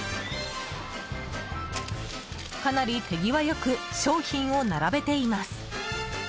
かなり手際良く商品を並べています。